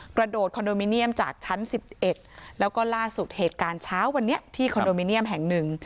กระโดดคอนโดมิเนียมจากชั้น๑๑แล้วก็ล่าสุดเหตุการณ์เช้าวันนี้ที่คอนโดมิเนียมแห่งหนึ่ง